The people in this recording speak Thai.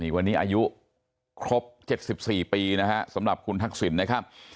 วันนี้อายุครบ๗๔ปีนะฮะสำหรับคุณทักษิณนะครับ